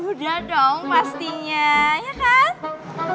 udah dong pastinya ya kan